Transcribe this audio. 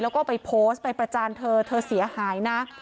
แล้วก็ไปโพสต์ไปประจานเธอเธอเสียหายนะ